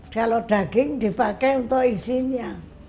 kalau daging dipakai untuk isinya